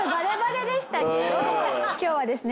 今日はですね